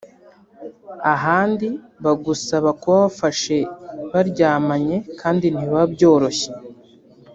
ahandi bagusaba kuba wabafashe baryamanye kandi ntibiba byoroshye